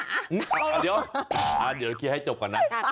เดี๋ยวเคลียร์ให้จบก่อนนะ